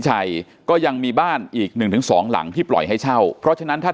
ชัยก็ยังมีบ้านอีกหนึ่งถึงสองหลังที่ปล่อยให้เช่าเพราะฉะนั้นถ้า